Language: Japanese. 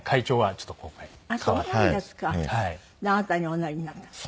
であなたにおなりになった。